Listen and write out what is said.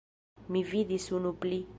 Mi vidis unu pli.